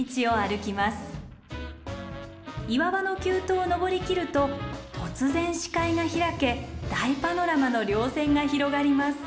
岩場の急登を登りきると突然視界が開け大パノラマの稜線が広がります。